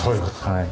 はい。